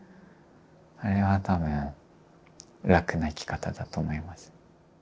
それは多分楽な生き方だと思います。